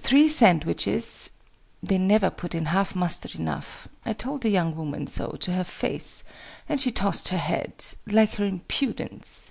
three sandwiches (They never put in half mustard enough. I told the young woman so, to her face; and she tossed her head like her impudence!)